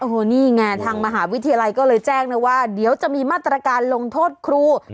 โอ้โหนี่ไงทางมหาวิทยาลัยก็เลยแจ้งนะว่าเดี๋ยวจะมีมาตรการลงโทษครู